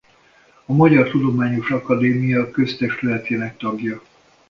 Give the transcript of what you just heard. A Magyar Tudományos Akadémia köztestületének tagja.